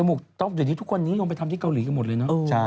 จมูกใดดีทุกวันนี้มาที่เกาหลีกันหมดเลยเนอะ